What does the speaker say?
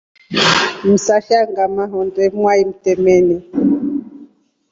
Msasha ngama honde mwai mtemeni.